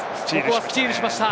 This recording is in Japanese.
スティールしました。